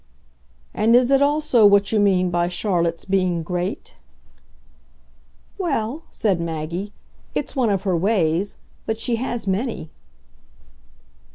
"And is it also what you mean by Charlotte's being 'great'?" "Well," said Maggie, "it's one of her ways. But she has many."